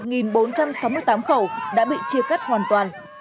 trên một trăm ba mươi tám hộ một bốn trăm sáu mươi tám khẩu đã bị chia cắt hoàn toàn